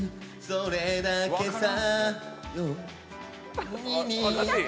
「それだけさ」